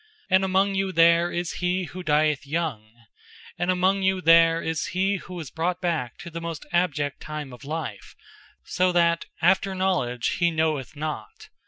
And among you there is he who dieth (young), and among you there is he who is brought back to the most abject time of life, so that, after knowledge, he knoweth naught.